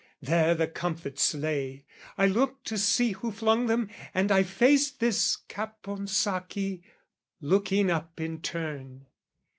There the comfits lay: I looked to see who flung them, and I faced This Caponsacchi, looking up in turn.